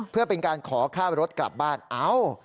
เพื่อเป็นการขอค่ารถกลับบ้านเอ้า